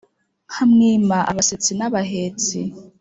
nkamwima abasetsi na bahetsi